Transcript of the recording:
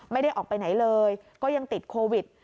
ไม่ได้ออกไปไหนเลยก็ยังติดโควิด